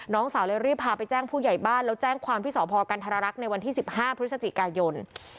สาวเลยรีบพาไปแจ้งผู้ใหญ่บ้านแล้วแจ้งความที่สพกันธรรักษ์ในวันที่๑๕พฤศจิกายน